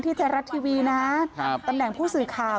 ไทยรัฐทีวีนะตำแหน่งผู้สื่อข่าว